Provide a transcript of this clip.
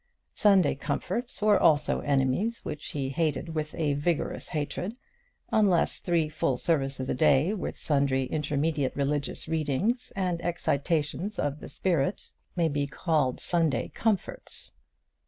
Sunday comforts were also enemies which he hated with a vigorous hatred, unless three full services a day, with sundry intermediate religious readings and exercitations of the spirit, may be called Sunday comforts.